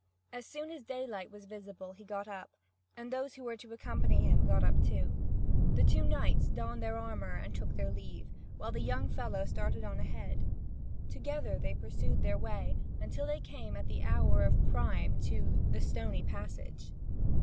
As soon as daylight was visible he got up, and those who were to accompany him got up too. The two knights donned their armour and took their leave, while the young fellow started on ahead. Together they pursued their way until they came at the hour of prime to "the stony passage."